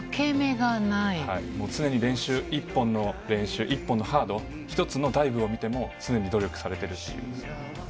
常に練習、一本の練習、一本のハード、１つのダイブを見ても常に努力されてるっていう。